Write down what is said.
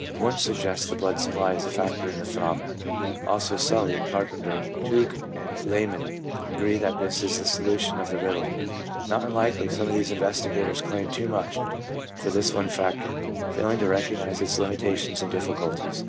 Wundt suggests the blood supply as a factor in the phenomena, 1 also Sully, 2 Carpenter, Tuke, and Lehmann agree that this is the solution of the riddle. Not unlikely some of these investigators claim too much for this one factor, failing to recognize its limitations and difficulties.